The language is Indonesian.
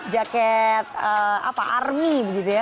jaket army begitu ya